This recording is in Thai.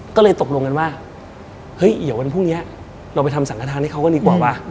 ก็เลยตกลงกันว่าเฮ้ยเดี๋ยววันพรุ่งนี้เราไปทำสังฆฐานให้เขาก็ดีกว่าว่ะ